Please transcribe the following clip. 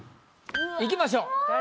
いきましょう。